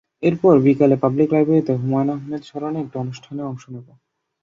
এরপর বিকালে পাবলিক লাইব্রেরিতে হুমায়ূন আহমেদ স্মরণে একটি অনুষ্ঠানে অংশ নেব।